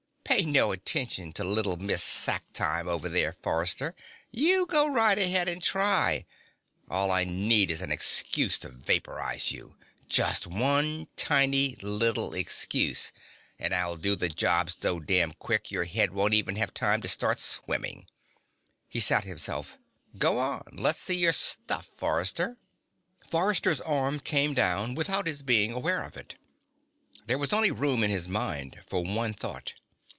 "Pay no attention to Little Miss Sacktime over there, Forrester. You go right ahead and try it! All I need is an excuse to vaporize you. Just one tiny little excuse and I'll do the job so damn quick, your head won't even have time to start swimming." He set himself. "Go on. Let's see your stuff, Forrester." Forrester's arm came down, without his being aware of it. There was only room in his mind for one thought.